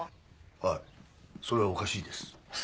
はいそれはおかしいです。